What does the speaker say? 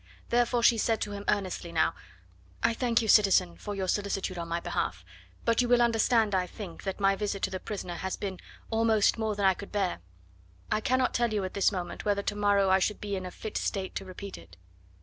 Therefore she said to him earnestly now: "I thank you, citizen, for your solicitude on my behalf, but you will understand, I think, that my visit to the prisoner has been almost more than I could bear. I cannot tell you at this moment whether to morrow I should be in a fit state to repeat it."